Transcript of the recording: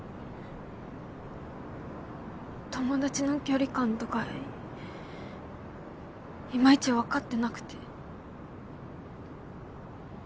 友達の距離感とかいまいち分かってなくて。